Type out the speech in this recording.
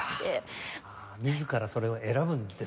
自らそれを選ぶんですもんね。